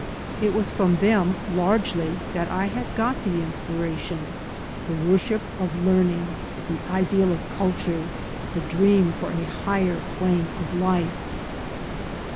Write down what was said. It was from them, largely, that I had got the inspiration — ^the worship of learning, the ideal of culture, the dream for a higher plane of life.